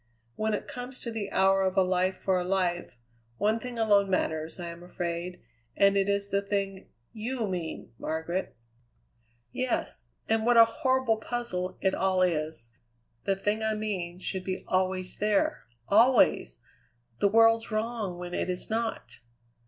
When it comes to the hour of a life for a life, one thing alone matters, I am afraid, and it is the thing you mean, Margaret." "Yes. And what a horrible puzzle it all is. The thing I mean should be always there always. The world's wrong when it is not."